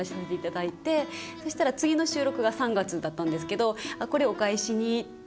そしたら次の収録が３月だったんですけど「あっこれお返しに」って。